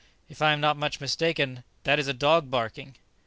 if I am not much mistaken, that is a dog barking!"